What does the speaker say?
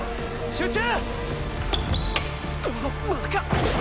集中！